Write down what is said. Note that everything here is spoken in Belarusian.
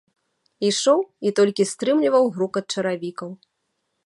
Ішоў і толькі стрымліваў грукат чаравікаў.